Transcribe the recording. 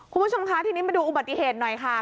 คุณผู้ชมคะทีนี้มาดูอุบัติเหตุหน่อยค่ะ